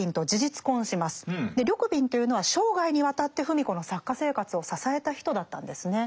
緑敏というのは生涯にわたって芙美子の作家生活を支えた人だったんですね。